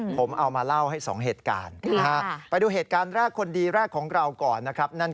ผมเอามาเล่าให้๒เหตุการณ์